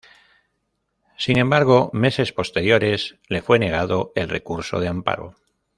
Sin embargo, meses posteriores le fue negado el recurso de amparo.